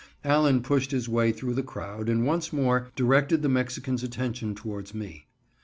Allen pushed his way through the crowd and once more directed the Mexican's attention towards me.